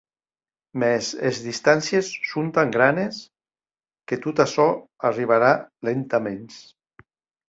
Mès es distàncies son tan granes que tot açò arribarà lentaments.